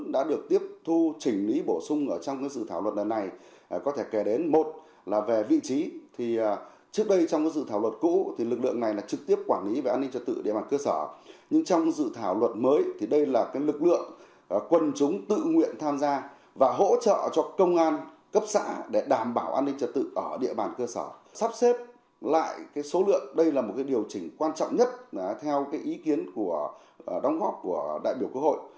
đây là một điều chỉnh quan trọng nhất theo ý kiến của đồng góp của đại biểu cơ hội